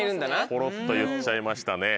ぽろっと言っちゃいましたね。